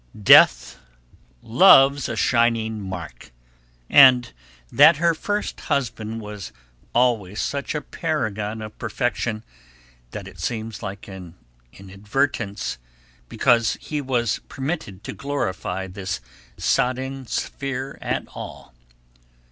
"Death loves a shining mark," and that first husband was always such a paragon of perfection that it seems like an inadvertence because he was permitted to glorify this sodden sphere at all.